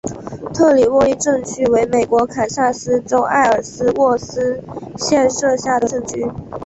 特里沃利镇区为美国堪萨斯州埃尔斯沃思县辖下的镇区。